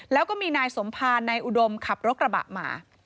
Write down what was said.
แล้วก็มีนายสมภารนายอุดมขับรถกระบะมา